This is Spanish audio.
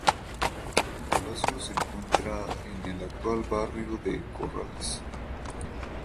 El palacio se encuentra en el actual barrio de Corrales.